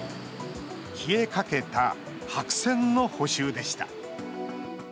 消えかけた白線の補修でした。